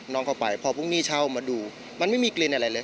เข้าไปพอพรุ่งนี้เช่ามาดูมันไม่มีกลิ่นอะไรเลย